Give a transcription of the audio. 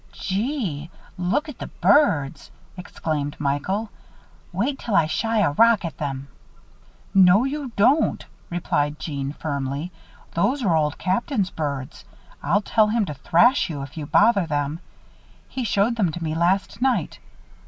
"Gee! Look at the birds!" exclaimed Michael. "Wait till I shy a rock at them." "No, you don't," replied Jeanne, firmly. "Those are Old Captain's birds. I'll tell him to thrash you if you bother them. He showed them to me last night.